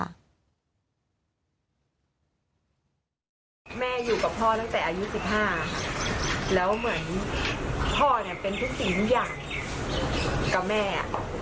แม่อยู่กับพ่อตั้งแต่อายุสิบห้าแล้วเหมือนพ่อเป็นทุกสิ่งอย่างกับแม่